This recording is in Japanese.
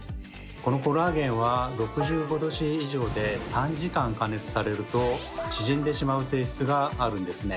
このコラーゲンは６５℃以上で短時間加熱されると縮んでしまう性質があるんですね。